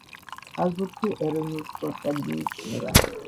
წყალბურთი ეროვნულ სპორტად მიიჩნევა.